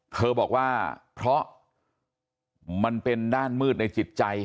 เธอบอกว่าเพราะมันเป็นด้านมืดในจิตใจ